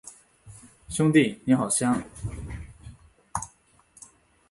兄弟，你好香